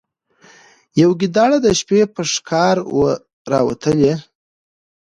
یو ګیدړ د شپې په ښکار وو راوتلی